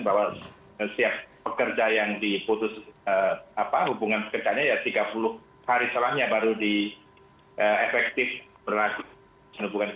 bahwa setiap pekerja yang diputus hubungan pekerjaannya ya tiga puluh hari setelahnya baru di efektif berlaku